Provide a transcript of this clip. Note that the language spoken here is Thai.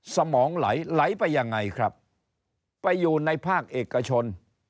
สมองไหลไปยังไงครับไปอยู่ในภาคเอกชน